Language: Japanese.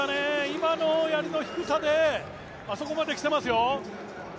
今のやりの低さであそこまで来てますよ。